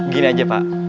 gini aja pak